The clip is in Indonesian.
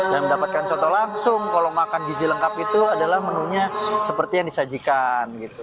dan mendapatkan contoh langsung kalau makan gizi lengkap itu adalah menunya seperti yang disajikan